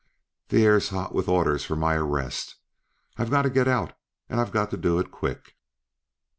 "The air's hot with orders for my arrest. I've got to get out, and I've got to do it quick."